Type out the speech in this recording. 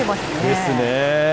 ですね。